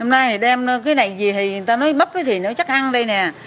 hôm nay đem cái này về thì người ta nói bắp thì nó chắc ăn đây nè